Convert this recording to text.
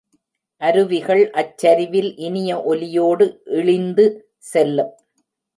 அருவிகள் அச்சரிவில் இனிய ஒலியோடு இழிந்து செல்லும்.